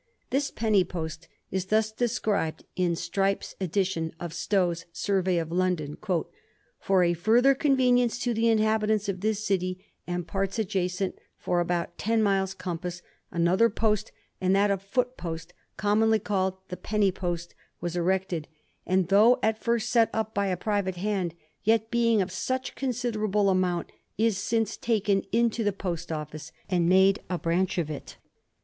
This penny post is thus described in Strype's edi tion of Stow's * Survey of London.' ' For a further convenience to the inhabitants of this city and parts adjacent for about ten miles compass, another post, and that a foot post, commonly called the penny post, was erected, and though at first set up by a private hand, yet, being of such considerable amount, is since taken into the post office and made a branch of it.